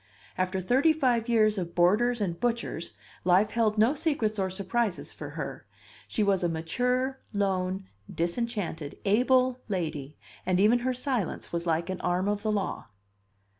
After thirty five years of boarders and butchers, life held no secrets or surprises for her; she was a mature, lone, disenchanted, able lady, and even her silence was like an arm of the law.